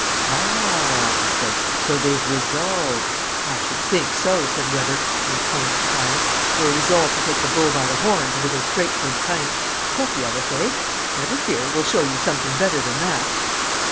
"Ah," he said, "so they've resolved " "I should think so!" said Weber, in a tone of triumph. "We've resolved to take the bull by the horns and to go straight for Lupin. Plucky of us, eh? Never fear, we'll show you something better than that!"